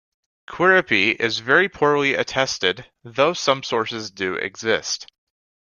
Quiripi is very poorly attested, though some sources do exist.